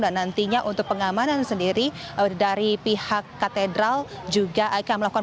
dan nantinya untuk pengamanan sendiri dari pihak katedral juga akan melakukan